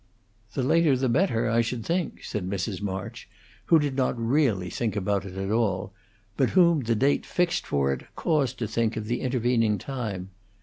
"The later the better, I should think," said Mrs. March, who did not really think about it at all, but whom the date fixed for it caused to think of the intervening time.